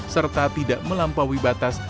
serta tidak melampaui batas